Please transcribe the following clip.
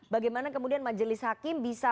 bagaimana kemudian majelis hakim bisa